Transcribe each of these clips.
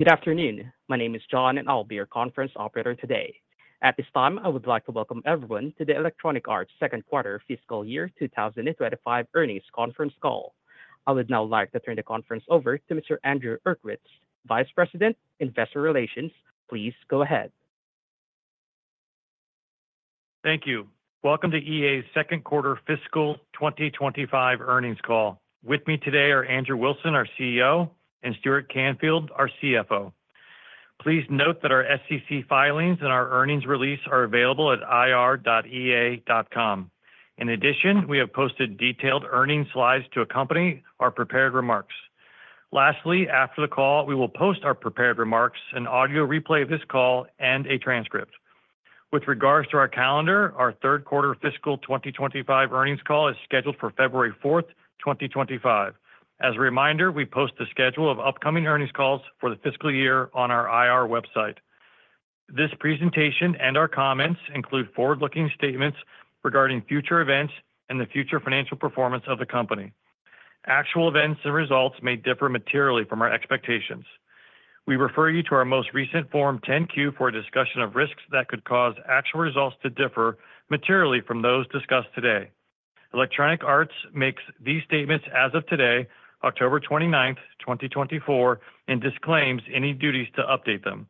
Good afternoon. My name is John, and I'll be your conference operator today. At this time, I would like to welcome everyone to the Electronic Arts second quarter fiscal year 2025 earnings conference call. I would now like to turn the conference over to Mr. Andrew Uerkwitz, Vice President, Investor Relations. Please go ahead. Thank you. Welcome to EA's second quarter fiscal 2025 earnings call. With me today are Andrew Wilson, our CEO, and Stuart Canfield, our CFO. Please note that our SEC filings and our earnings release are available at ir.ea.com. In addition, we have posted detailed earnings slides to accompany our prepared remarks. Lastly, after the call, we will post our prepared remarks, an audio replay of this call, and a transcript. With regards to our calendar, our third quarter fiscal 2025 earnings call is scheduled for February 4, 2025. As a reminder, we post the schedule of upcoming earnings calls for the fiscal year on our IR website. This presentation and our comments include forward-looking statements regarding future events and the future financial performance of the company. Actual events and results may differ materially from our expectations. We refer you to our most recent Form 10-Q for a discussion of risks that could cause actual results to differ materially from those discussed today. Electronic Arts makes these statements as of today, October 29, 2024, and disclaims any duties to update them.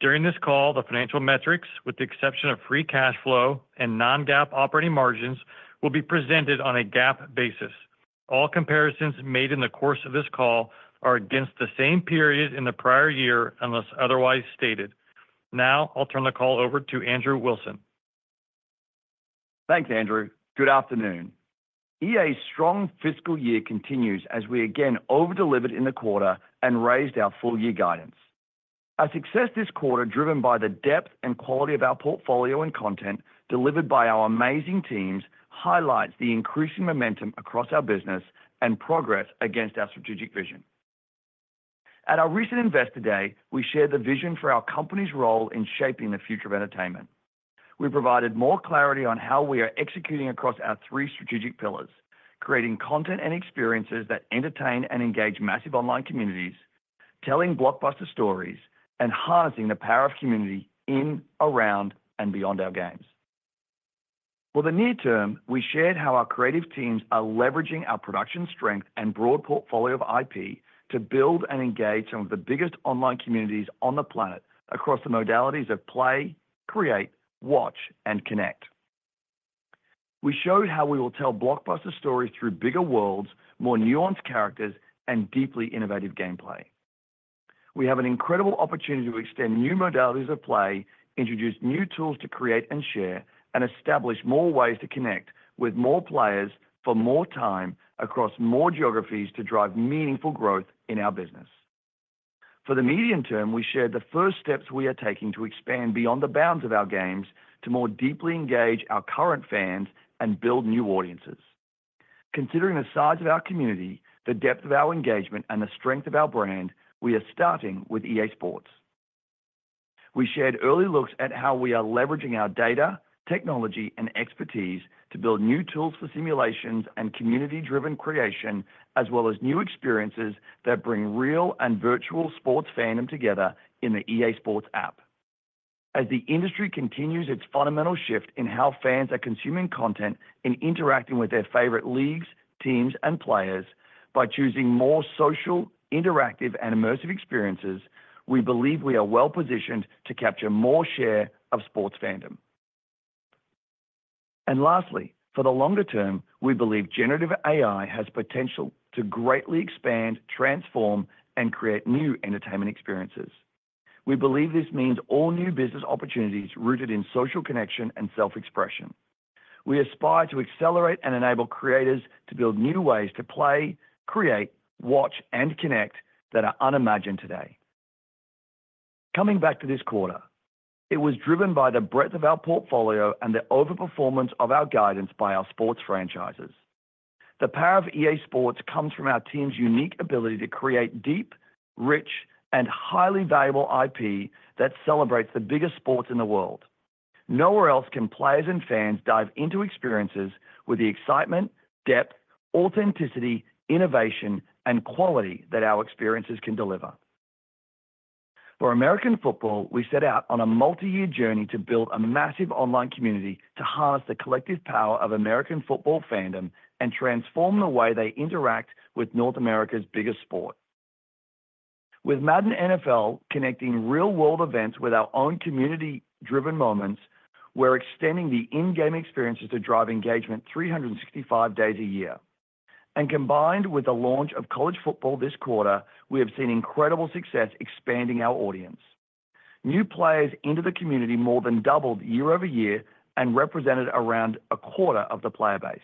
During this call, the financial metrics, with the exception of free cash flow and non-GAAP operating margins, will be presented on a GAAP basis. All comparisons made in the course of this call are against the same period in the prior year unless otherwise stated. Now, I'll turn the call over to Andrew Wilson. Thanks, Andrew. Good afternoon. EA's strong fiscal year continues as we again overdelivered in the quarter and raised our full-year guidance. Our success this quarter, driven by the depth and quality of our portfolio and content delivered by our amazing teams, highlights the increasing momentum across our business and progress against our strategic vision. At our recent Investor Day, we shared the vision for our company's role in shaping the future of entertainment. We provided more clarity on how we are executing across our three strategic pillars, creating content and experiences that entertain and engage massive online communities, telling blockbuster stories, and harnessing the power of community in, around, and beyond our games. For the near term, we shared how our creative teams are leveraging our production strength and broad portfolio of IP to build and engage some of the biggest online communities on the planet across the modalities of play, create, watch, and connect. We showed how we will tell blockbuster stories through bigger worlds, more nuanced characters, and deeply innovative gameplay. We have an incredible opportunity to extend new modalities of play, introduce new tools to create and share, and establish more ways to connect with more players for more time across more geographies to drive meaningful growth in our business. For the medium term, we shared the first steps we are taking to expand beyond the bounds of our games to more deeply engage our current fans and build new audiences. Considering the size of our community, the depth of our engagement, and the strength of our brand, we are starting with EA SPORTS. We shared early looks at how we are leveraging our data, technology, and expertise to build new tools for simulations and community-driven creation, as well as new experiences that bring real and virtual sports fandom together in the EA SPORTS App. As the industry continues its fundamental shift in how fans are consuming content and interacting with their favorite leagues, teams, and players by choosing more social, interactive, and immersive experiences, we believe we are well-positioned to capture more share of sports fandom. And lastly, for the longer term, we believe generative AI has potential to greatly expand, transform, and create new entertainment experiences. We believe this means all new business opportunities rooted in social connection and self-expression. We aspire to accelerate and enable creators to build new ways to play, create, watch, and connect that are unimagined today. Coming back to this quarter, it was driven by the breadth of our portfolio and the overperformance of our guidance by our sports franchises. The power of EA SPORTS comes from our team's unique ability to create deep, rich, and highly valuable IP that celebrates the biggest sports in the world. Nowhere else can players and fans dive into experiences with the excitement, depth, authenticity, innovation, and quality that our experiences can deliver. For American football, we set out on a multi-year journey to build a massive online community to harness the collective power of American football fandom and transform the way they interact with North America's biggest sport. With Madden NFL connecting real-world events with our own community-driven moments, we're extending the in-game experiences to drive engagement 365 days a year. And combined with the launch of College Football this quarter, we have seen incredible success expanding our audience. New players into the community more than doubled year-over-year and represented around a quarter of the player base.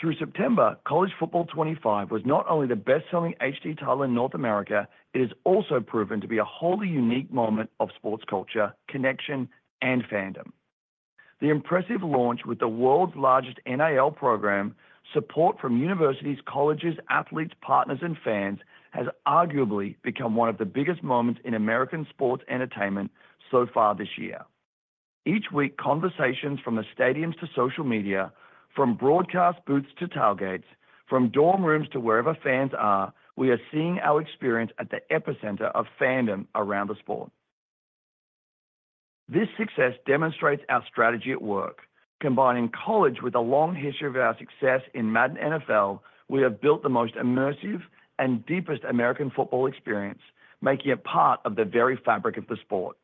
Through September, College Football 2025 was not only the best-selling HD title in North America, it has also proven to be a wholly unique moment of sports culture, connection, and fandom. The impressive launch with the world's largest NIL program, support from universities, colleges, athletes, partners, and fans, has arguably become one of the biggest moments in American sports entertainment so far this year. Each week, conversations from the stadiums to social media, from broadcast booths to tailgates, from dorm rooms to wherever fans are, we are seeing our experience at the epicenter of fandom around the sport. This success demonstrates our strategy at work. Combining College with a long history of our success in Madden NFL, we have built the most immersive and deepest American football experience, making it part of the very fabric of the sport.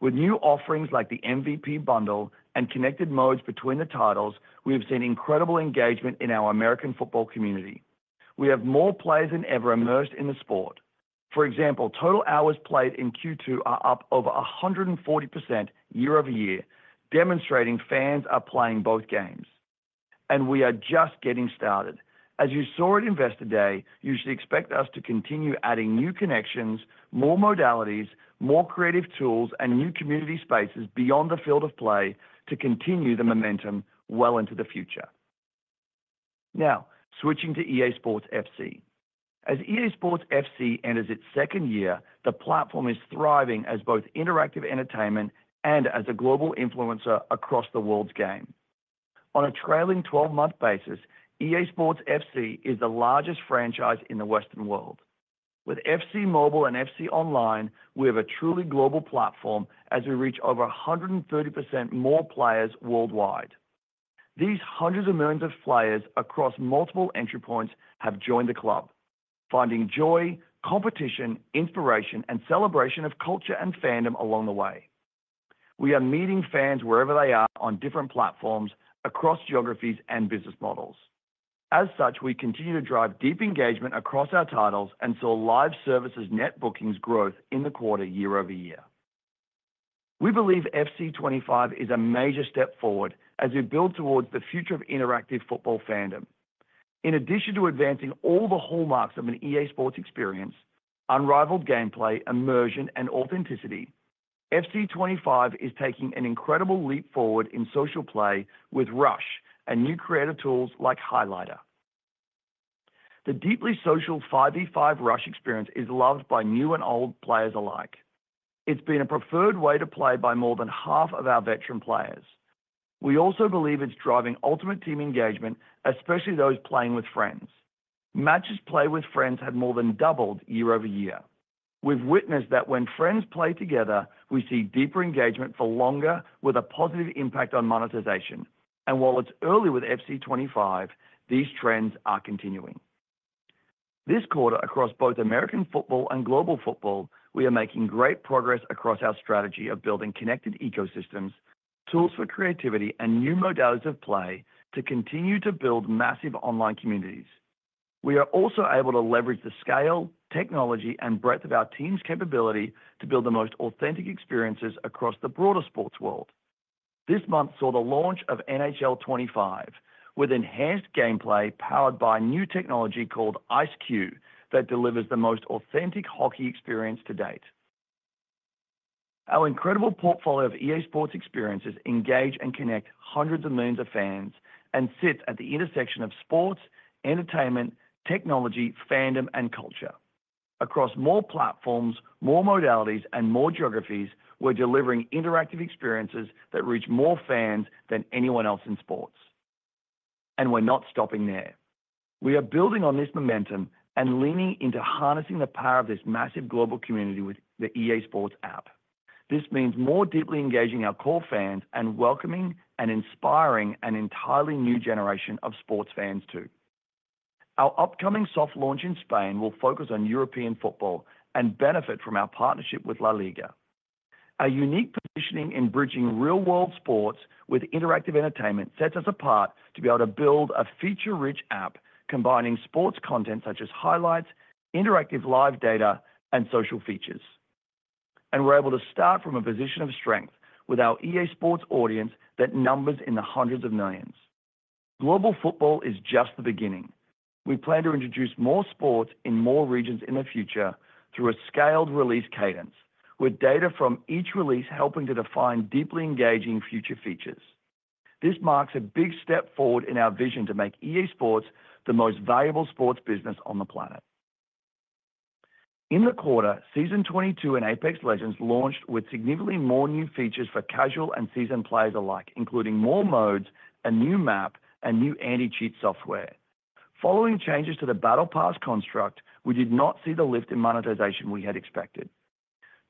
With new offerings like the MVP Bundle and connected modes between the titles, we have seen incredible engagement in our American football community. We have more players than ever immersed in the sport. For example, total hours played in Q2 are up over 140% year-over-year, demonstrating fans are playing both games. And we are just getting started. As you saw at Investor Day, you should expect us to continue adding new connections, more modalities, more creative tools, and new community spaces beyond the field of play to continue the momentum well into the future. Now, switching to EA SPORTS FC. As EA SPORTS FC enters its second year, the platform is thriving as both interactive entertainment and as a global influencer across the world's game. On a trailing 12-month basis, EA SPORTS FC is the largest franchise in the Western world. With FC Mobile and FC Online, we have a truly global platform as we reach over 130% more players worldwide. These hundreds of millions of players across multiple entry points have joined the club, finding joy, competition, inspiration, and celebration of culture and fandom along the way. We are meeting fans wherever they are on different platforms across geographies and business models. As such, we continue to drive deep engagement across our titles and saw live services net bookings growth in the quarter, year-over-year. We believe FC 25 is a major step forward as we build towards the future of interactive football fandom. In addition to advancing all the hallmarks of an EA SPORTS experience unrivaled gameplay, immersion, and authenticity, FC 25 is taking an incredible leap forward in social play with Rush and new creative tools like Highlighter. The deeply social 5v5 Rush experience is loved by new and old players alike. It's been a preferred way to play by more than half of our veteran players. We also believe it's driving Ultimate Team engagement, especially those playing with friends. Matches played with friends have more than doubled year-over-year. We've witnessed that when friends play together, we see deeper engagement for longer, with a positive impact on monetization. While it's early with FC 25, these trends are continuing. This quarter, across both American football and global football, we are making great progress across our strategy of building connected ecosystems, tools for creativity, and new modalities of play to continue to build massive online communities. We are also able to leverage the scale, technology, and breadth of our team's capability to build the most authentic experiences across the broader sports world. This month saw the launch of NHL 25, with enhanced gameplay powered by new technology called ICE-Q that delivers the most authentic hockey experience to date. Our incredible portfolio of EA SPORTS experiences engage and connect hundreds of millions of fans and sits at the intersection of sports, entertainment, technology, fandom, and culture. Across more platforms, more modalities, and more geographies, we're delivering interactive experiences that reach more fans than anyone else in sports. We're not stopping there. We are building on this momentum and leaning into harnessing the power of this massive global community with the EA SPORTS App. This means more deeply engaging our core fans and welcoming and inspiring an entirely new generation of sports fans too. Our upcoming soft launch in Spain will focus on European football and benefit from our partnership with LaLiga. Our unique positioning in bridging real-world sports with interactive entertainment sets us apart to be able to build a feature-rich app combining sports content such as highlights, interactive live data, and social features. We're able to start from a position of strength with our EA SPORTS audience that numbers in the hundreds of millions. Global football is just the beginning. We plan to introduce more sports in more regions in the future through a scaled release cadence, with data from each release helping to define deeply engaging future features. This marks a big step forward in our vision to make EA SPORTS the most valuable sports business on the planet. In the quarter, Season 22 in Apex Legends launched with significantly more new features for casual and seasoned players alike, including more modes, a new map, and new anti-cheat software. Following changes to the Battle Pass construct, we did not see the lift in monetization we had expected.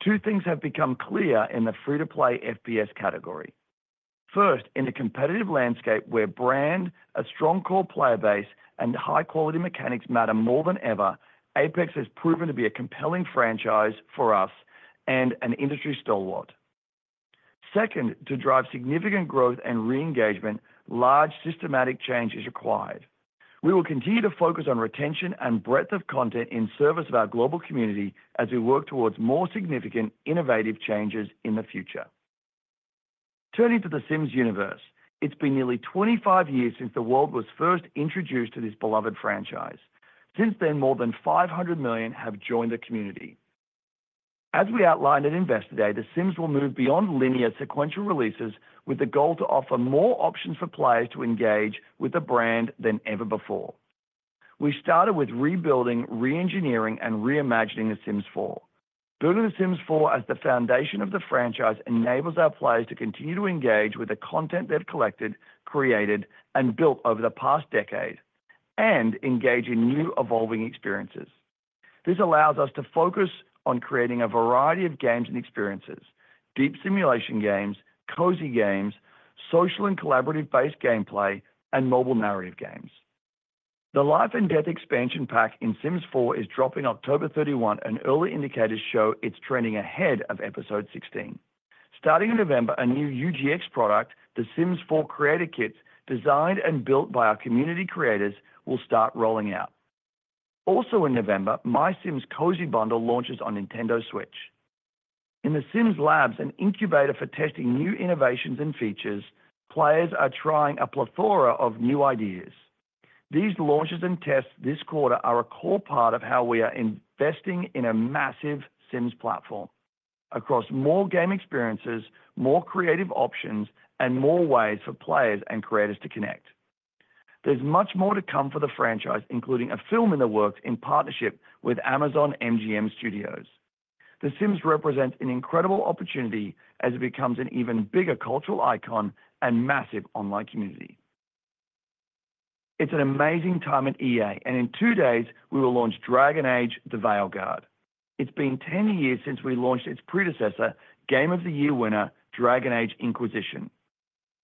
Two things have become clear in the free-to-play FPS category. First, in a competitive landscape where brand, a strong core player base, and high-quality mechanics matter more than ever, Apex has proven to be a compelling franchise for us and an industry stalwart. Second, to drive significant growth and re-engagement, large systematic change is required. We will continue to focus on retention and breadth of content in service of our global community as we work towards more significant innovative changes in the future. Turning to The Sims universe, it's been nearly 25 years since the world was first introduced to this beloved franchise. Since then, more than 500 million have joined the community. As we outlined at Investor Day, The Sims will move beyond linear sequential releases with the goal to offer more options for players to engage with the brand than ever before. We started with rebuilding, re-engineering, and re-imagining The Sims 4. Building The Sims 4 as the foundation of the franchise enables our players to continue to engage with the content they've collected, created, and built over the past decade and engage in new evolving experiences. This allows us to focus on creating a variety of games and experiences: deep simulation games, cozy games, social and collaborative-based gameplay, and mobile narrative games. The Life and Death Expansion Pack in The Sims 4 is dropping October 31, and early indicators show it's trending ahead of EP 16. Starting in November, a new UGC product, The Sims 4 Creator Kits, designed and built by our community creators, will start rolling out. Also in November, MySims Cozy Bundle launches on Nintendo Switch. In The Sims Labs, an incubator for testing new innovations and features, players are trying a plethora of new ideas. These launches and tests this quarter are a core part of how we are investing in a massive Sims platform across more game experiences, more creative options, and more ways for players and creators to connect. There's much more to come for the franchise, including a film in the works in partnership with Amazon MGM Studios. The Sims represents an incredible opportunity as it becomes an even bigger cultural icon and massive online community. It's an amazing time at EA, and in two days, we will launch Dragon Age: The Veilguard. It's been 10 years since we launched its predecessor, Game of the Year winner Dragon Age: Inquisition.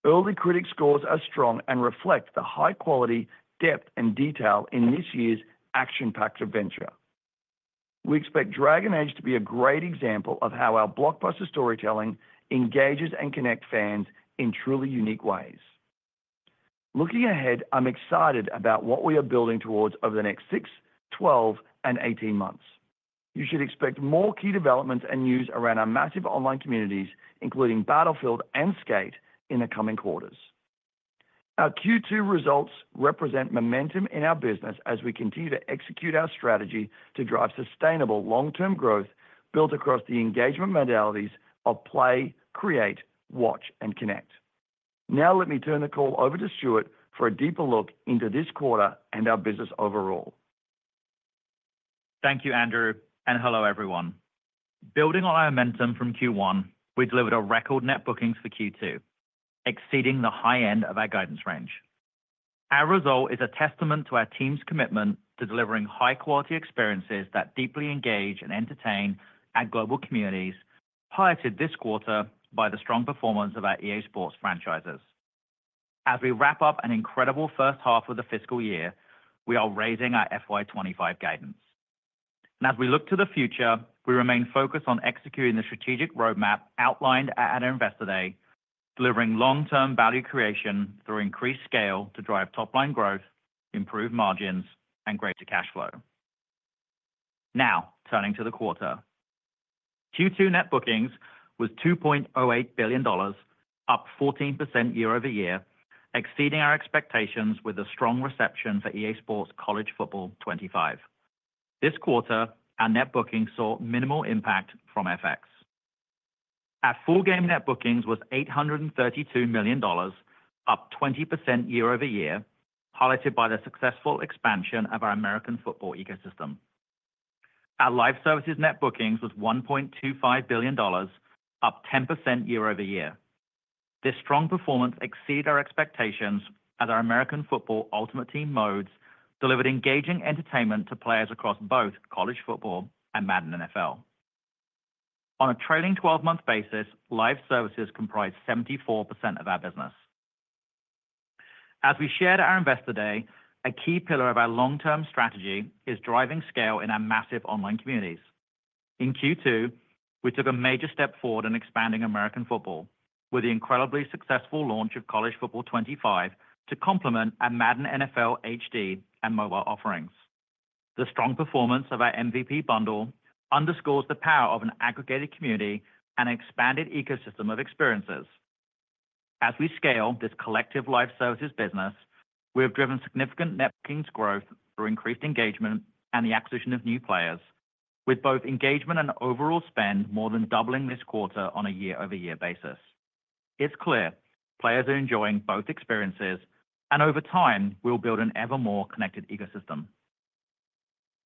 Early critic scores are strong and reflect the high quality, depth, and detail in this year's action-packed adventure. We expect Dragon Age to be a great example of how our blockbuster storytelling engages and connects fans in truly unique ways. Looking ahead, I'm excited about what we are building towards over the next six, 12, and 18 months. You should expect more key developments and news around our massive online communities, including Battlefield and Skate, in the coming quarters. Our Q2 results represent momentum in our business as we continue to execute our strategy to drive sustainable long-term growth built across the engagement modalities of play, create, watch, and connect. Now, let me turn the call over to Stuart for a deeper look into this quarter and our business overall. Thank you, Andrew, and hello, everyone. Building on our momentum from Q1, we delivered a record net bookings for Q2, exceeding the high end of our guidance range. Our result is a testament to our team's commitment to delivering high-quality experiences that deeply engage and entertain our global communities, highlighted this quarter by the strong performance of our EA SPORTS franchises. As we wrap up an incredible first half of the fiscal year, we are raising our FY 2025 guidance, and as we look to the future, we remain focused on executing the strategic roadmap outlined at Investor Day, delivering long-term value creation through increased scale to drive top-line growth, improve margins, and greater cash flow. Now, turning to the quarter, Q2 net bookings was $2.08 billion, up 14% year-over- year, exceeding our expectations with a strong reception for EA SPORTS College Football 2025. This quarter, our net bookings saw minimal impact from FX. Our full-game net bookings was $832 million, up 20% year-over-year, highlighted by the successful expansion of our American football ecosystem. Our live services net bookings was $1.25 billion, up 10% year-over-year. This strong performance exceeded our expectations as our American football Ultimate Team modes delivered engaging entertainment to players across both College Football and Madden NFL. On a trailing 12-month basis, live services comprised 74% of our business. As we shared at our Investor Day, a key pillar of our long-term strategy is driving scale in our massive online communities. In Q2, we took a major step forward in expanding American football with the incredibly successful launch of College Football 2025 to complement our Madden NFL HD and mobile offerings. The strong performance of our MVP Bundle underscores the power of an aggregated community and an expanded ecosystem of experiences. As we scale this collective live services business, we have driven significant net bookings growth through increased engagement and the acquisition of new players, with both engagement and overall spend more than doubling this quarter on a year-over-year basis. It's clear players are enjoying both experiences, and over time, we'll build an ever more connected ecosystem.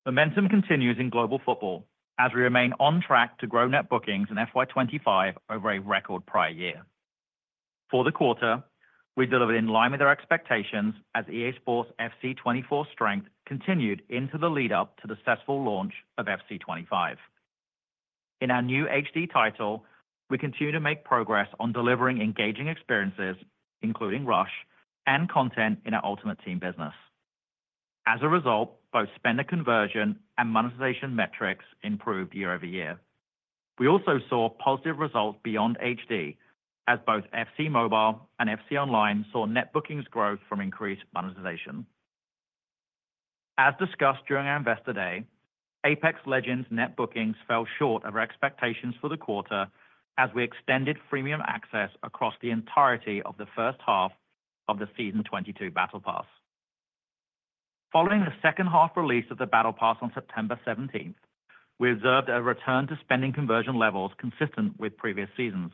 Momentum continues in global football as we remain on track to grow net bookings in FY 2025 over a record prior year. For the quarter, we delivered in line with our expectations as EA SPORTS FC 24's strength continued into the lead-up to the successful launch of FC 25. In our new HD title, we continue to make progress on delivering engaging experiences, including Rush, and content in our Ultimate Team business. As a result, both spender conversion and monetization metrics improved year- over-year. We also saw positive results beyond HD as both FC Mobile and FC Online saw net bookings growth from increased monetization. As discussed during our Investor Day, Apex Legends net bookings fell short of our expectations for the quarter as we extended freemium access across the entirety of the first half of the Season 22 Battle Pass. Following the second-half release of the Battle Pass on September 17, we observed a return to spending conversion levels consistent with previous seasons.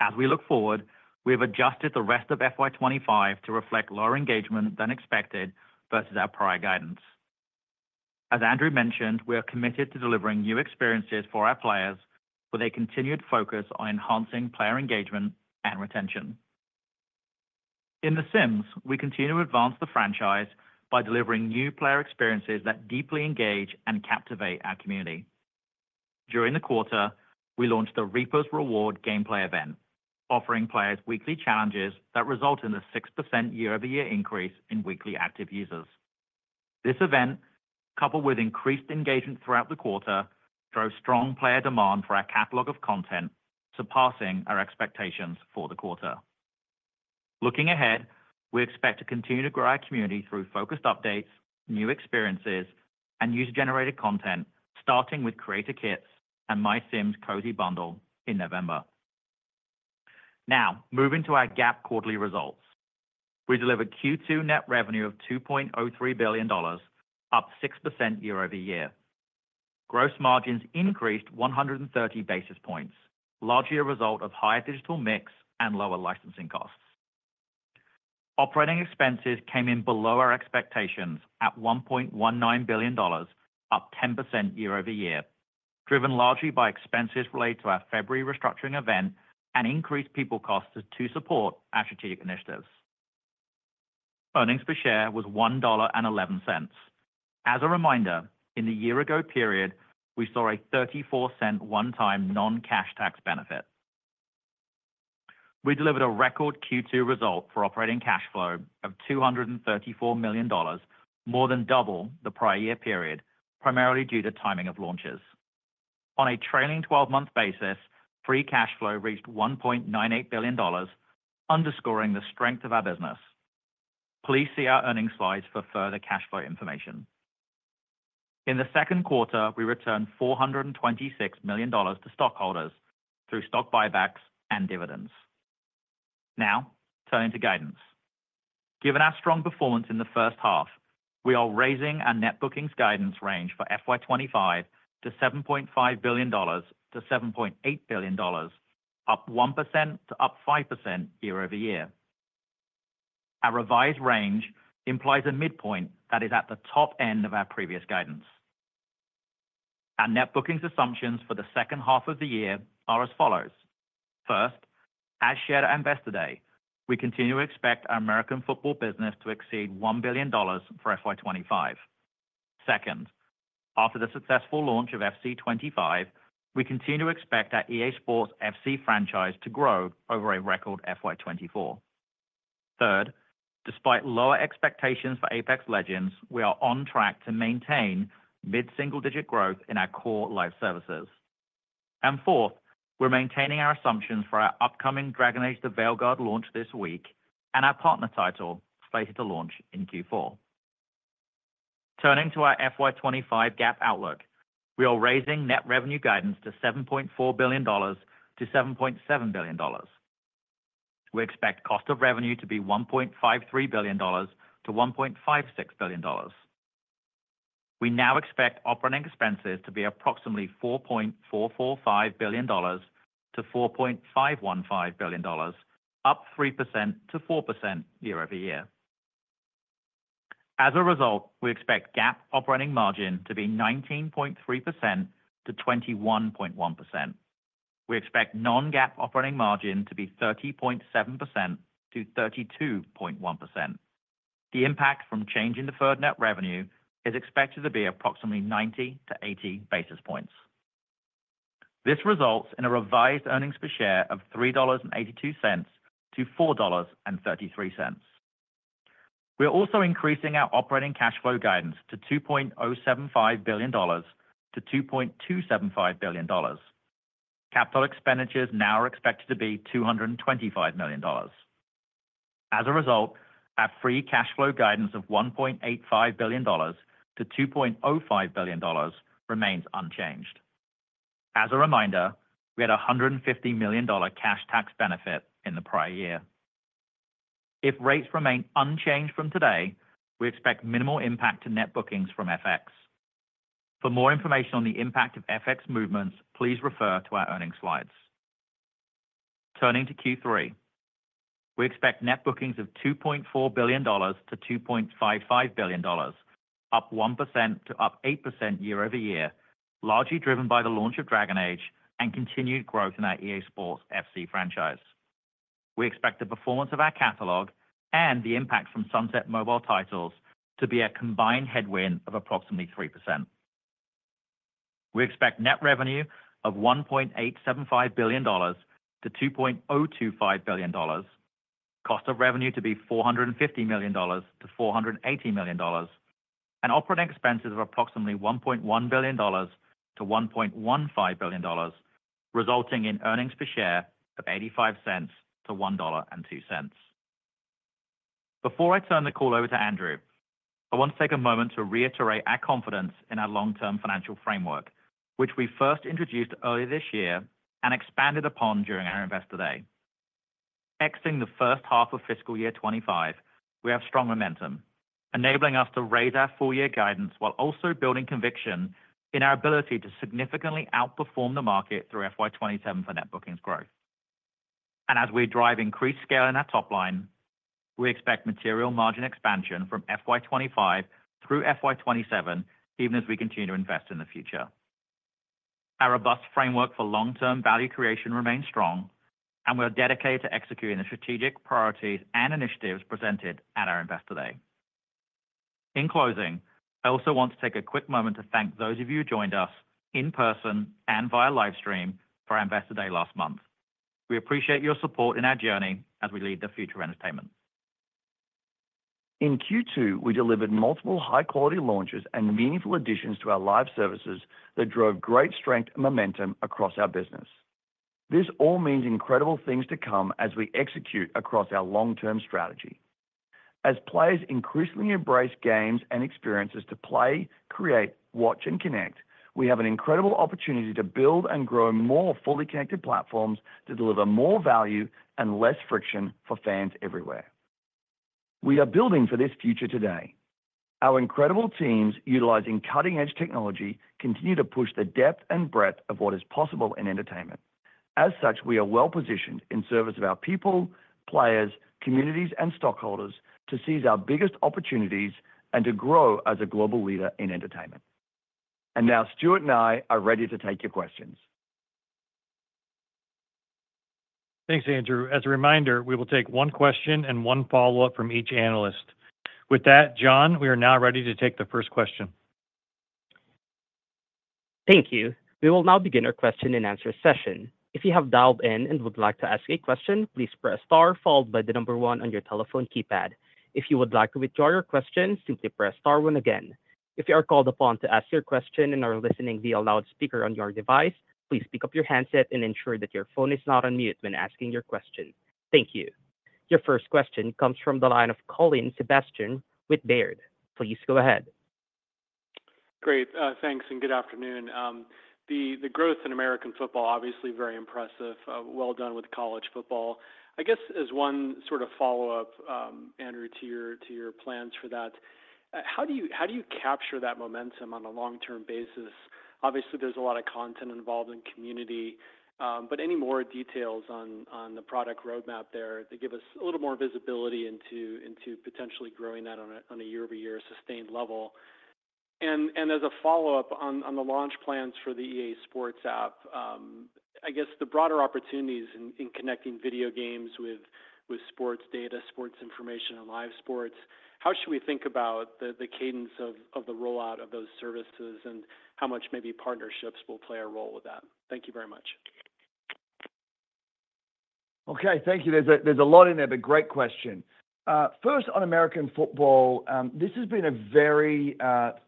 As we look forward, we have adjusted the rest of FY 2025 to reflect lower engagement than expected versus our prior guidance. As Andrew mentioned, we are committed to delivering new experiences for our players with a continued focus on enhancing player engagement and retention. In The Sims, we continue to advance the franchise by delivering new player experiences that deeply engage and captivate our community. During the quarter, we launched the Reaper's Rewards gameplay event, offering players weekly challenges that result in a 6% year-over-year increase in weekly active users. This event, coupled with increased engagement throughout the quarter, drove strong player demand for our catalog of content, surpassing our expectations for the quarter. Looking ahead, we expect to continue to grow our community through focused updates, new experiences, and user-generated content, starting with Creator Kits and MySims Cozy Bundle in November. Now, moving to our GAAP quarterly results, we delivered Q2 net revenue of $2.03 billion, up 6% year-over-year. Gross margins increased 130 basis points, largely a result of higher digital mix and lower licensing costs. Operating expenses came in below our expectations at $1.19 billion, up 10% year-over-year, driven largely by expenses related to our February restructuring event and increased people costs to support our strategic initiatives. Earnings per share was $1.11. As a reminder, in the year-ago period, we saw a $0.34 one-time non-cash tax benefit. We delivered a record Q2 result for operating cash flow of $234 million, more than double the prior year period, primarily due to timing of launches. On a trailing 12-month basis, free cash flow reached $1.98 billion, underscoring the strength of our business. Please see our earnings slides for further cash flow information. In the second quarter, we returned $426 million to stockholders through stock buybacks and dividends. Now, turning to guidance. Given our strong performance in the first half, we are raising our net bookings guidance range for FY 2025 to $7.5 billion-$7.8 billion, up 1%-5% year-over-year. Our revised range implies a midpoint that is at the top end of our previous guidance. Our net bookings assumptions for the second half of the year are as follows. First, as shared at Investor Day, we continue to expect our American football business to exceed $1 billion for FY 2025. Second, after the successful launch of FC 25, we continue to expect our EA SPORTS FC franchise to grow over a record FY 2024. Third, despite lower expectations for Apex Legends, we are on track to maintain mid-single-digit growth in our core live services. And fourth, we're maintaining our assumptions for our upcoming Dragon Age: The Veilguard launch this week and our partner title slated to launch in Q4. Turning to our FY 2025 GAAP outlook, we are raising net revenue guidance to $7.4 billion-$7.7 billion. We expect cost of revenue to be $1.53 billion-$1.56 billion. We now expect operating expenses to be approximately $4.445 billion-$4.515 billion, up 3%-4% year-over-year. As a result, we expect GAAP operating margin to be 19.3%-21.1%. We expect non-GAAP operating margin to be 30.7%-32.1%. The impact from changing the deferred net revenue is expected to be approximately 90 to 80 basis points. This results in a revised earnings per share of $3.82-$4.33. We are also increasing our operating cash flow guidance to $2.075-$2.275 billion. Capital expenditures now are expected to be $225 million. As a result, our free cash flow guidance of $1.85-$2.05 billion remains unchanged. As a reminder, we had a $150 million cash tax benefit in the prior year. If rates remain unchanged from today, we expect minimal impact to net bookings from FX. For more information on the impact of FX movements, please refer to our earnings slides. Turning to Q3, we expect net bookings of $2.4 billion-$2.55 billion, up 1%-8% year-over-year, largely driven by the launch of Dragon Age and continued growth in our EA SPORTS FC franchise. We expect the performance of our catalog and the impact from sunset mobile titles to be a combined headwind of approximately 3%. We expect net revenue of $1.875 billion-$2.025 billion, cost of revenue to be $450 million-$480 million, and operating expenses of approximately $1.1 billion-$1.15 billion, resulting in earnings per share of $0.85-$1.02. Before I turn the call over to Andrew, I want to take a moment to reiterate our confidence in our long-term financial framework, which we first introduced earlier this year and expanded upon during our Investor Day. Exiting the first half of fiscal year 2025, we have strong momentum, enabling us to raise our full-year guidance while also building conviction in our ability to significantly outperform the market through FY 2027 for net bookings growth. And as we drive increased scale in our top line, we expect material margin expansion from FY 2025 through FY 2027, even as we continue to invest in the future. Our robust framework for long-term value creation remains strong, and we are dedicated to executing the strategic priorities and initiatives presented at our Investor Day. In closing, I also want to take a quick moment to thank those of you who joined us in person and via livestream for our Investor Day last month. We appreciate your support in our journey as we lead the future of entertainment. In Q2, we delivered multiple high-quality launches and meaningful additions to our live services that drove great strength and momentum across our business. This all means incredible things to come as we execute across our long-term strategy. As players increasingly embrace games and experiences to play, create, watch, and connect, we have an incredible opportunity to build and grow more fully connected platforms to deliver more value and less friction for fans everywhere. We are building for this future today. Our incredible teams, utilizing cutting-edge technology, continue to push the depth and breadth of what is possible in entertainment. As such, we are well-positioned in service of our people, players, communities, and stockholders to seize our biggest opportunities and to grow as a global leader in entertainment. And now, Stuart and I are ready to take your questions. Thanks, Andrew. As a reminder, we will take one question and one follow-up from each analyst. With that, John, we are now ready to take the first question. Thank you. We will now begin our question and answer session. If you have dialed in and would like to ask a question, please press star followed by the number one on your telephone keypad. If you would like to withdraw your question, simply press star again. If you are called upon to ask your question and are listening via loudspeaker on your device, please pick up your handset and ensure that your phone is not on mute when asking your question. Thank you. Your first question comes from the line of Colin Sebastian with Baird. Please go ahead. Great. Thanks and good afternoon. The growth in American football, obviously very impressive. Well done with College Football. I guess as one sort of follow-up, Andrew, to your plans for that, how do you capture that momentum on a long-term basis? Obviously, there's a lot of content involved in community, but any more details on the product roadmap there to give us a little more visibility into potentially growing that on a year-over-year sustained level, and as a follow-up on the launch plans for the EA SPORTS App, I guess the broader opportunities in connecting video games with sports data, sports information, and live sports, how should we think about the cadence of the rollout of those services and how much maybe partnerships will play a role with that? Thank you very much. Okay. Thank you. There's a lot in there, but great question. First, on American football, this has been a very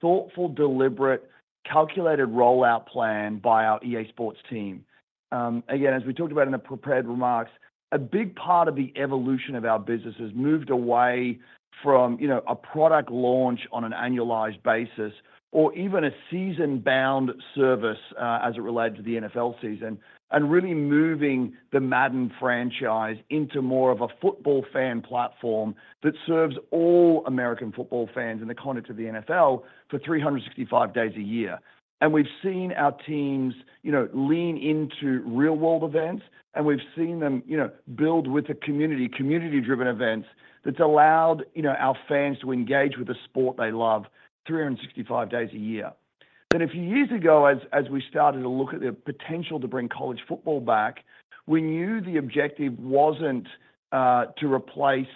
thoughtful, deliberate, calculated rollout plan by our EA SPORTS team. Again, as we talked about in the prepared remarks, a big part of the evolution of our business has moved away from a product launch on an annualized basis or even a season-bound service as it relates to the NFL season and really moving the Madden franchise into more of a football fan platform that serves all American football fans in the context of the NFL for 365 days a year. And we've seen our teams lean into real-world events, and we've seen them build with the community, community-driven events that's allowed our fans to engage with the sport they love 365 days a year. Then a few years ago, as we started to look at the potential to bring College Football back, we knew the objective wasn't to replace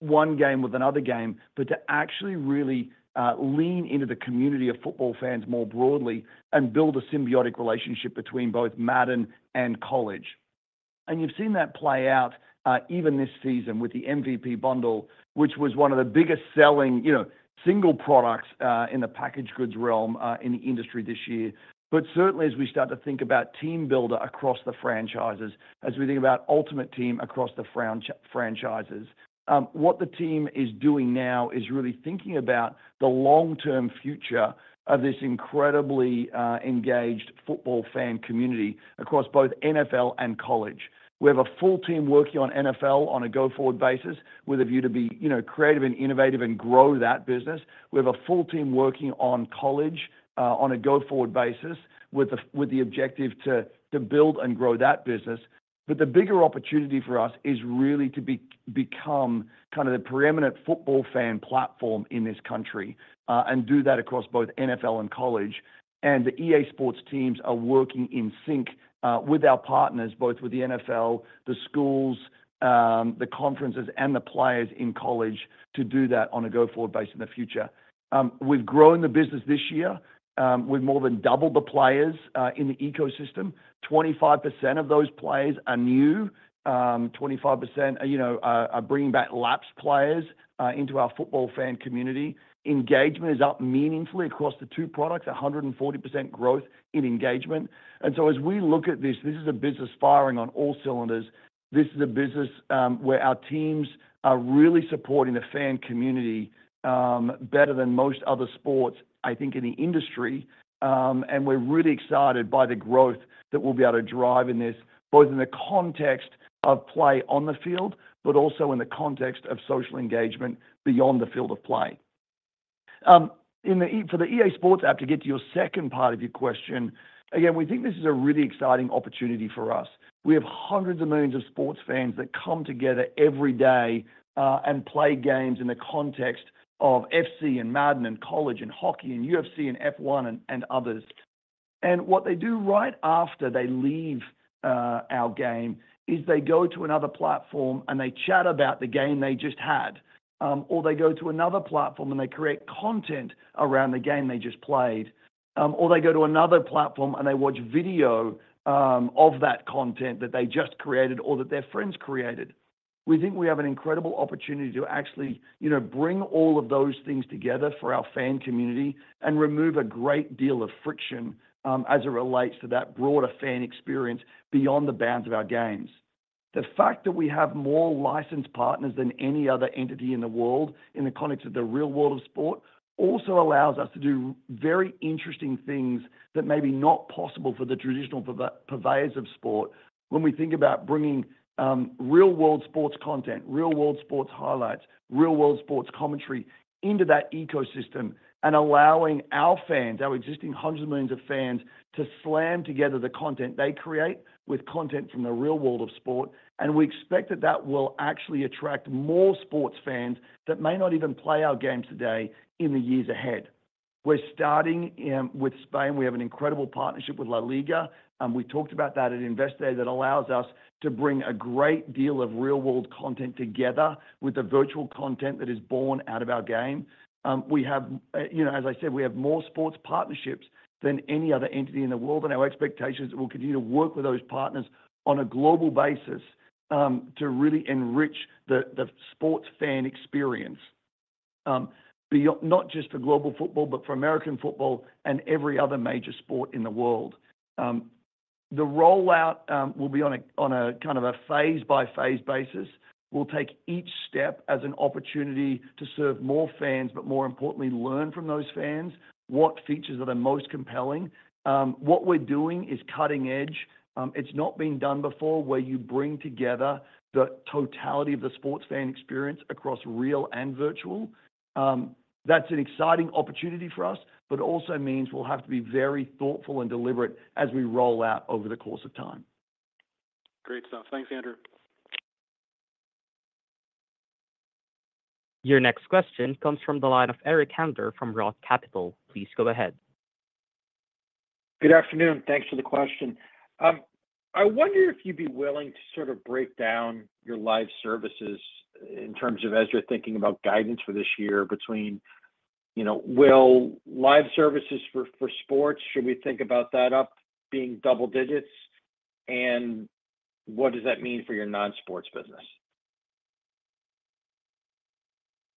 one game with another game, but to actually really lean into the community of football fans more broadly and build a symbiotic relationship between both Madden and College. And you've seen that play out even this season with the MVP Bundle, which was one of the biggest selling single products in the packaged goods realm in the industry this year. But certainly, as we start to think about Team Builder across the franchises, as we think about Ultimate Team across the franchises, what the team is doing now is really thinking about the long-term future of this incredibly engaged football fan community across both NFL and College. We have a full team working on NFL on a go-forward basis with a view to be creative and innovative and grow that business. We have a full team working on college on a go-forward basis with the objective to build and grow that business. But the bigger opportunity for us is really to become kind of the preeminent football fan platform in this country and do that across both NFL and College. And the EA SPORTS teams are working in sync with our partners, both with the NFL, the schools, the conferences, and the players in college to do that on a go-forward basis in the future. We've grown the business this year. We've more than doubled the players in the ecosystem. 25% of those players are new. 25% are bringing back lapsed players into our football fan community. Engagement is up meaningfully across the two products, 140% growth in engagement. And so as we look at this, this is a business firing on all cylinders. This is a business where our teams are really supporting the fan community better than most other sports, I think, in the industry. And we're really excited by the growth that we'll be able to drive in this, both in the context of play on the field, but also in the context of social engagement beyond the field of play. For the EA SPORTS App, to get to your second part of your question, again, we think this is a really exciting opportunity for us. We have hundreds of millions of sports fans that come together every day and play games in the context of FC and Madden and College and hockey and UFC and F1 and others. And what they do right after they leave our game is they go to another platform and they chat about the game they just had, or they go to another platform and they create content around the game they just played, or they go to another platform and they watch video of that content that they just created or that their friends created. We think we have an incredible opportunity to actually bring all of those things together for our fan community and remove a great deal of friction as it relates to that broader fan experience beyond the bounds of our games. The fact that we have more licensed partners than any other entity in the world in the context of the real world of sport also allows us to do very interesting things that may be not possible for the traditional purveyors of sport. When we think about bringing real-world sports content, real-world sports highlights, real-world sports commentary into that ecosystem and allowing our fans, our existing hundreds of millions of fans, to slam together the content they create with content from the real world of sport, and we expect that that will actually attract more sports fans that may not even play our games today in the years ahead. We're starting with Spain. We have an incredible partnership with LaLiga, and we talked about that at Investor Day that allows us to bring a great deal of real-world content together with the virtual content that is born out of our game. We have, as I said, we have more sports partnerships than any other entity in the world, and our expectations are that we'll continue to work with those partners on a global basis to really enrich the sports fan experience, not just for global football, but for American football and every other major sport in the world. The rollout will be on a kind of a phase-by-phase basis. We'll take each step as an opportunity to serve more fans, but more importantly, learn from those fans what features are the most compelling. What we're doing is cutting-edge. It's not been done before where you bring together the totality of the sports fan experience across real and virtual. That's an exciting opportunity for us, but also means we'll have to be very thoughtful and deliberate as we roll out over the course of time. Great. Thanks, Andrew. Your next question comes from the line of Eric Handler from Roth Capital. Please go ahead. Good afternoon. Thanks for the question. I wonder if you'd be willing to sort of break down your live services in terms of, as you're thinking about guidance for this year, between will live services for sports, should we think about that up being double digits, and what does that mean for your non-sports business?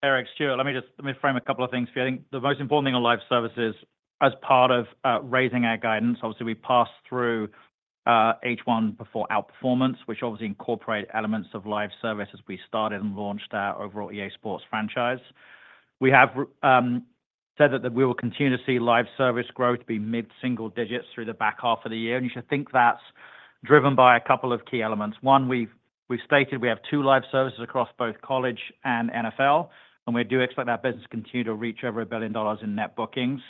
Eric, Stuart, let me frame a couple of things for you. I think the most important thing on live services as part of raising our guidance, obviously, we pass through H1 before our performance, which obviously incorporates elements of live service as we started and launched our overall EA SPORTS franchise. We have said that we will continue to see live service growth be mid-single digits through the back half of the year. You should think that's driven by a couple of key elements. One, we've stated we have two live services across both College and NFL, and we do expect that business to continue to reach over $1 billion in net bookings.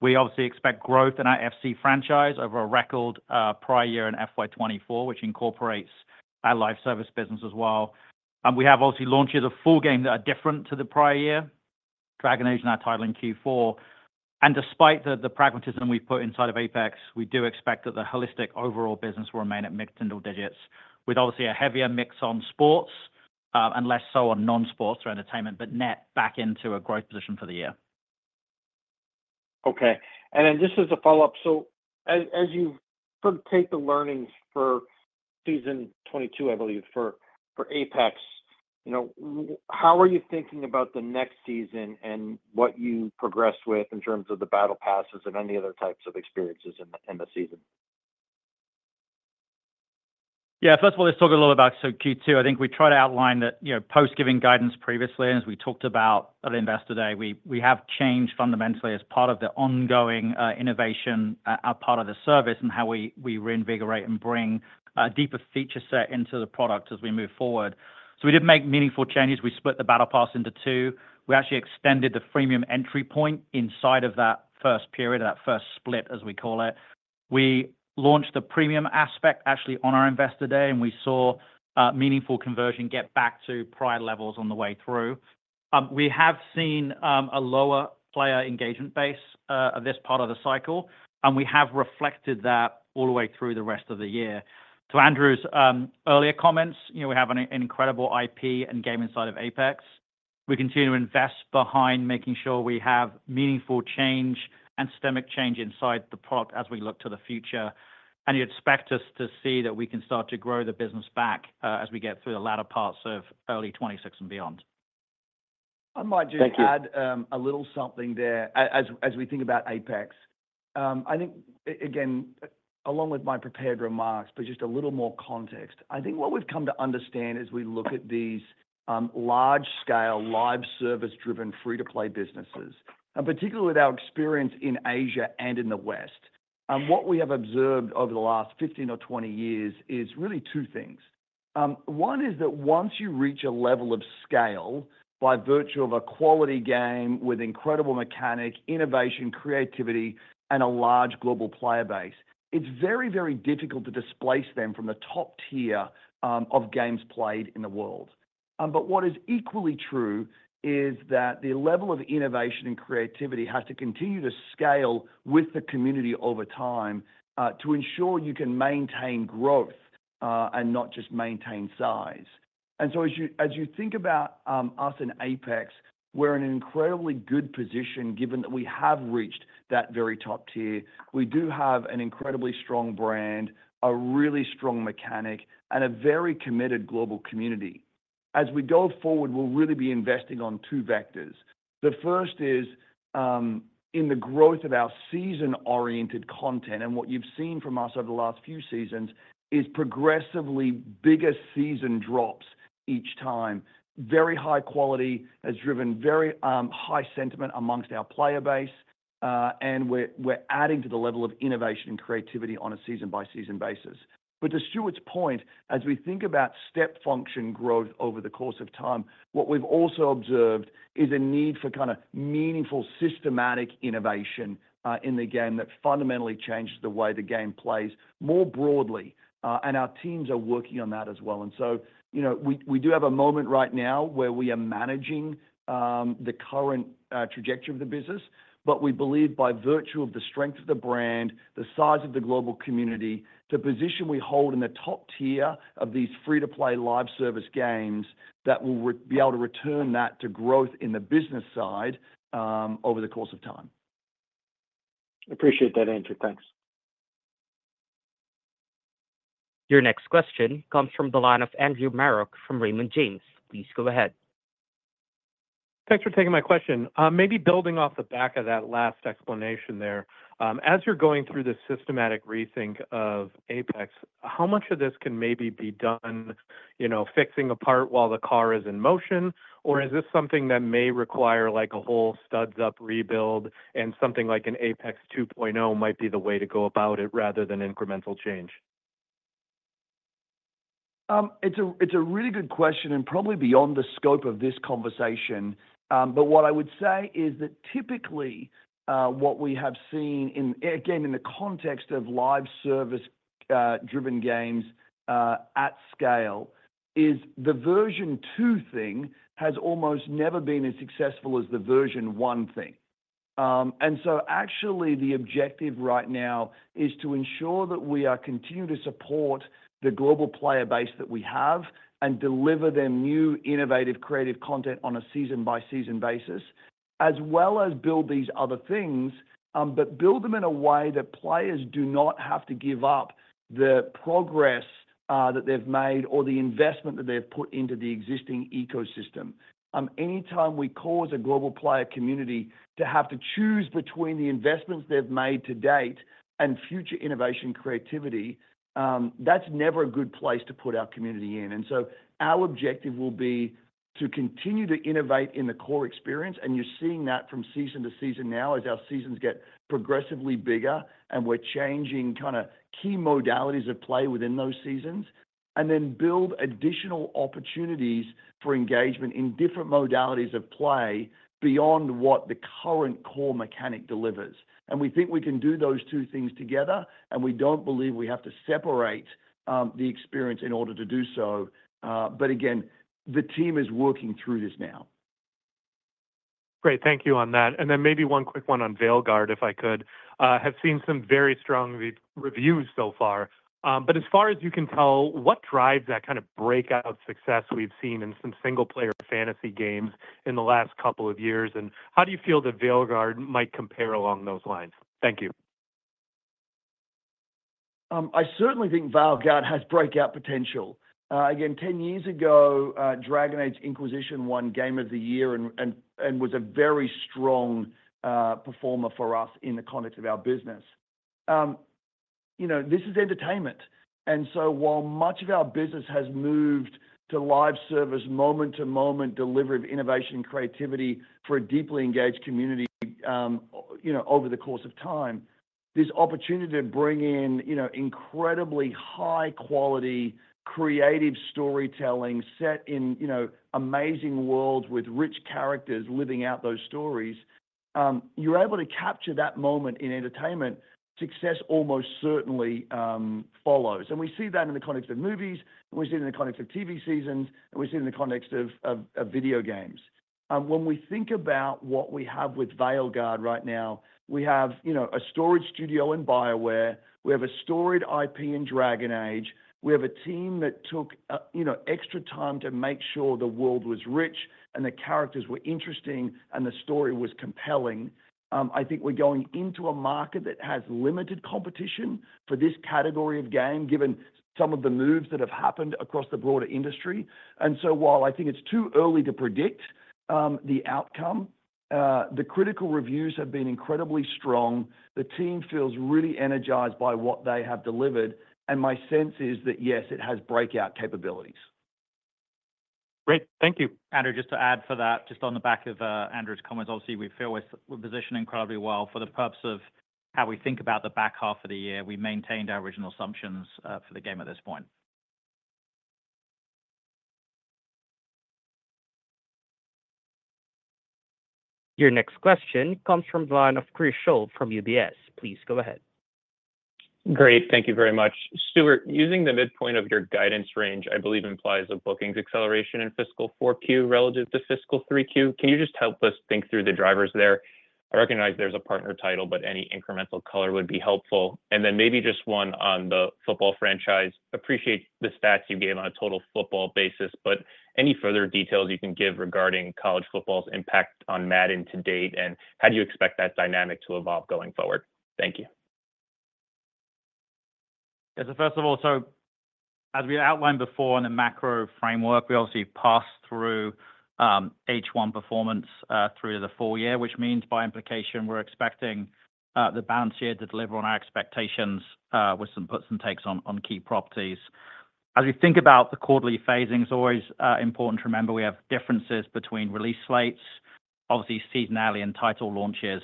We obviously expect growth in our FC franchise over a record prior year in FY 2024, which incorporates our live service business as well. We have obviously launched a full game that is different to the prior year, Dragon Age and our title in Q4. Despite the pragmatism we've put inside of Apex, we do expect that the holistic overall business will remain at mid-single digits, with obviously a heavier mix on sports and less so on non-sports or entertainment, but net back into a growth position for the year. Okay. And then just as a follow-up, so as you sort of take the learnings for Season 22, I believe, for Apex, how are you thinking about the next season and what you progress with in terms of the Battle Passes and any other types of experiences in the season? Yeah. First of all, let's talk a little about Q2. I think we tried to outline that post-giving guidance previously, and as we talked about at Investor Day, we have changed fundamentally as part of the ongoing innovation part of the service and how we reinvigorate and bring a deeper feature set into the product as we move forward. So we did make meaningful changes. We split the Battle Pass into two. We actually extended the freemium entry point inside of that first period, that first split, as we call it. We launched the premium aspect actually on our Investor Day, and we saw meaningful conversion get back to prior levels on the way through. We have seen a lower player engagement base of this part of the cycle, and we have reflected that all the way through the rest of the year. To Andrew's earlier comments, we have an incredible IP and game inside of Apex. We continue to invest behind making sure we have meaningful change and systemic change inside the product as we look to the future. And you'd expect us to see that we can start to grow the business back as we get through the latter parts of early 2026 and beyond. I might just add a little something there as we think about Apex. I think, again, along with my prepared remarks, but just a little more context. I think what we've come to understand as we look at these large-scale live service-driven free-to-play businesses, and particularly with our experience in Asia and in the West, what we have observed over the last 15 or 20 years is really two things. One is that once you reach a level of scale by virtue of a quality game with incredible mechanic, innovation, creativity, and a large global player base, it's very, very difficult to displace them from the top tier of games played in the world. But what is equally true is that the level of innovation and creativity has to continue to scale with the community over time to ensure you can maintain growth and not just maintain size. And so as you think about us in Apex, we're in an incredibly good position given that we have reached that very top tier. We do have an incredibly strong brand, a really strong mechanic, and a very committed global community. As we go forward, we'll really be investing on two vectors. The first is in the growth of our season-oriented content, and what you've seen from us over the last few seasons is progressively bigger season drops each time. Very high quality has driven very high sentiment among our player base, and we're adding to the level of innovation and creativity on a season-by-season basis, but to Stuart's point, as we think about step function growth over the course of time, what we've also observed is a need for kind of meaningful systematic innovation in the game that fundamentally changes the way the game plays more broadly, and our teams are working on that as well. And so we do have a moment right now where we are managing the current trajectory of the business, but we believe by virtue of the strength of the brand, the size of the global community, the position we hold in the top tier of these free-to-play live service games that will be able to return that to growth in the business side over the course of time. Appreciate that answer. Thanks. Your next question comes from the line of Andrew Marok from Raymond James. Please go ahead. Thanks for taking my question. Maybe building off the back of that last explanation there, as you're going through the systematic rethink of Apex, how much of this can maybe be done fixing a part while the car is in motion, or is this something that may require a whole studs-up rebuild, and something like an Apex 2.0 might be the way to go about it rather than incremental change? It's a really good question and probably beyond the scope of this conversation. But what I would say is that typically what we have seen, again, in the context of live service-driven games at scale, is the version two thing has almost never been as successful as the version one thing. And so actually, the objective right now is to ensure that we continue to support the global player base that we have and deliver them new innovative creative content on a season-by-season basis, as well as build these other things, but build them in a way that players do not have to give up the progress that they've made or the investment that they've put into the existing ecosystem. Anytime we cause a global player community to have to choose between the investments they've made to date and future innovation creativity, that's never a good place to put our community in. And so our objective will be to continue to innovate in the core experience, and you're seeing that from season to season now as our seasons get progressively bigger and we're changing kind of key modalities of play within those seasons, and then build additional opportunities for engagement in different modalities of play beyond what the current core mechanic delivers. And we think we can do those two things together, and we don't believe we have to separate the experience in order to do so. But again, the team is working through this now. Great. Thank you on that. And then maybe one quick one on Veilguard, if I could. I have seen some very strong reviews so far. But as far as you can tell, what drives that kind of breakout success we've seen in some single-player fantasy games in the last couple of years, and how do you feel that Veilguard might compare along those lines? Thank you. I certainly think Veilguard has breakout potential. Again, 10 years ago, Dragon Age: Inquisition won Game of the Year and was a very strong performer for us in the context of our business. This is entertainment. And so while much of our business has moved to live service moment-to-moment delivery of innovation and creativity for a deeply engaged community over the course of time, this opportunity to bring in incredibly high-quality creative storytelling set in amazing worlds with rich characters living out those stories, you're able to capture that moment in entertainment. Success almost certainly follows. And we see that in the context of movies, and we see it in the context of TV seasons, and we see it in the context of video games. When we think about what we have with Veilguard right now, we have a storied studio in BioWare. We have a storied IP in Dragon Age. We have a team that took extra time to make sure the world was rich and the characters were interesting and the story was compelling. I think we're going into a market that has limited competition for this category of game given some of the moves that have happened across the broader industry. And so while I think it's too early to predict the outcome, the critical reviews have been incredibly strong. The team feels really energized by what they have delivered, and my sense is that, yes, it has breakout capabilities. Great. Thank you. Andrew, just to add for that, just on the back of Andrew's comments, obviously, we feel we position incredibly well for the purpose of how we think about the back half of the year. We maintained our original assumptions for the game at this point. Your next question comes from the line of Chris Kuntarich from UBS. Please go ahead. Great. Thank you very much. Stuart, using the midpoint of your guidance range, I believe implies a bookings acceleration in fiscal 4Q relative to fiscal 3Q. Can you just help us think through the drivers there? I recognize there's a partner title, but any incremental color would be helpful. And then maybe just one on the football franchise. Appreciate the stats you gave on a total football basis, but any further details you can give regarding College Football's impact on Madden to date, and how do you expect that dynamic to evolve going forward? Thank you. Thank you. First of all, so as we outlined before on the macro framework, we obviously pass through H1 performance through to the full year, which means by implication, we're expecting the back half of the year to deliver on our expectations with some puts and takes on key properties. As we think about the quarterly phasing, it's always important to remember we have differences between release slots, obviously seasonally and title launches.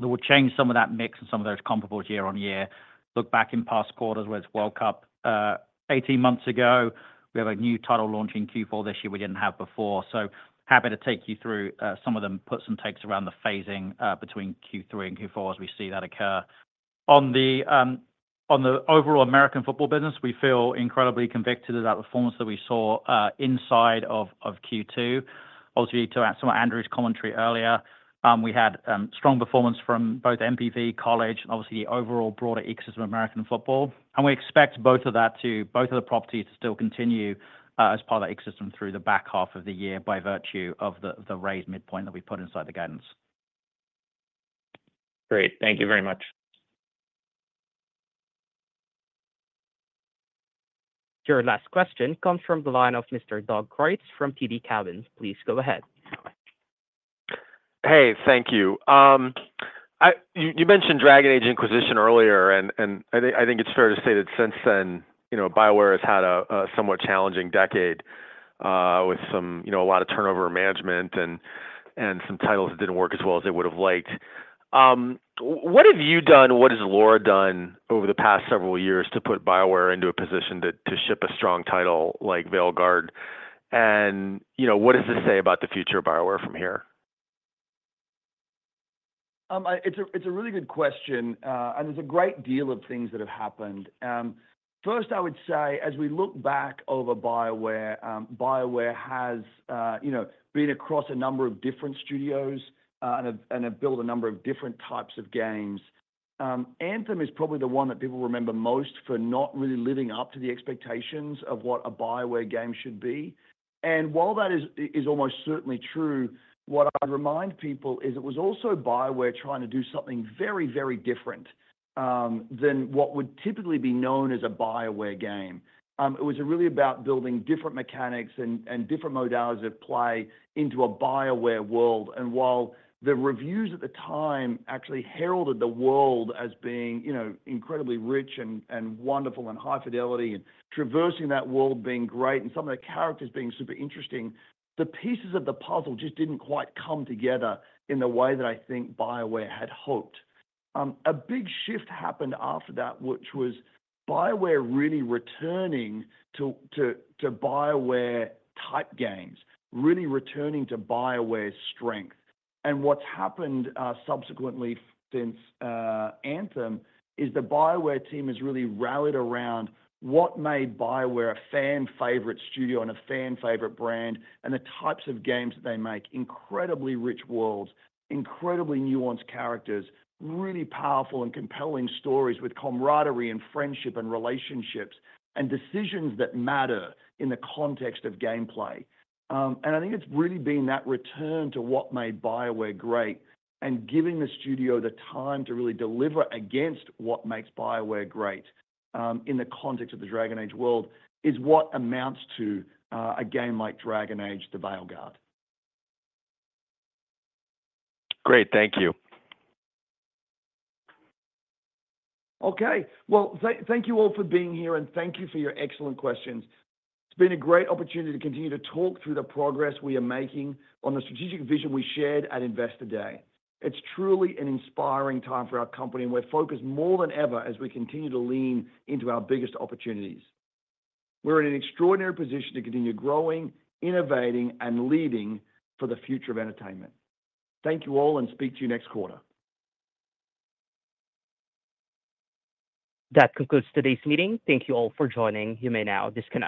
We'll change some of that mix and some of those comparables year-on-year. Look back in past quarters where it's World Cup 18 months ago, we have a new title launch in Q4 this year we didn't have before. So happy to take you through some of the puts and takes around the phasing between Q3 and Q4 as we see that occur. On the overall American football business, we feel incredibly convicted of that performance that we saw inside of Q2. Obviously, to answer Andrew's commentary earlier, we had strong performance from both MVP, College, and obviously the overall broader ecosystem of American football. And we expect both of that to both of the properties to still continue as part of that ecosystem through the back half of the year by virtue of the raised midpoint that we put inside the guidance. Great. Thank you very much. Your last question comes from the line of Mr. Doug Creutz from TD Cowen. Please go ahead. Hey, thank you. You mentioned Dragon Age: Inquisition earlier, and I think it's fair to say that since then, BioWare has had a somewhat challenging decade with a lot of turnover management and some titles that didn't work as well as they would have liked. What have you done and what has Laura done over the past several years to put BioWare into a position to ship a strong title like Veilguard? And what does this say about the future of BioWare from here? It's a really good question, and there's a great deal of things that have happened. First, I would say as we look back over BioWare, BioWare has been across a number of different studios and have built a number of different types of games. Anthem is probably the one that people remember most for not really living up to the expectations of what a BioWare game should be. While that is almost certainly true, what I would remind people is it was also BioWare trying to do something very, very different than what would typically be known as a BioWare game. It was really about building different mechanics and different modalities of play into a BioWare world. While the reviews at the time actually heralded the world as being incredibly rich and wonderful and high fidelity and traversing that world being great and some of the characters being super interesting, the pieces of the puzzle just didn't quite come together in the way that I think BioWare had hoped. A big shift happened after that, which was BioWare really returning to BioWare-type games, really returning to BioWare's strength. And what's happened subsequently since Anthem is the BioWare team has really rallied around what made BioWare a fan-favorite studio and a fan-favorite brand and the types of games that they make: incredibly rich worlds, incredibly nuanced characters, really powerful and compelling stories with camaraderie and friendship and relationships and decisions that matter in the context of gameplay. And I think it's really been that return to what made BioWare great and giving the studio the time to really deliver against what makes BioWare great in the context of the Dragon Age world is what amounts to a game like Dragon Age: The Veilguard. Great. Thank you. Okay. Well, thank you all for being here, and thank you for your excellent questions. It's been a great opportunity to continue to talk through the progress we are making on the strategic vision we shared at Investor Day. It's truly an inspiring time for our company, and we're focused more than ever as we continue to lean into our biggest opportunities. We're in an extraordinary position to continue growing, innovating, and leading for the future of entertainment. Thank you all, and speak to you next quarter. That concludes today's meeting. Thank you all for joining. You may now disconnect.